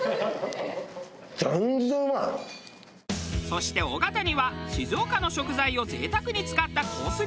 そして尾形には静岡の食材を贅沢に使ったコース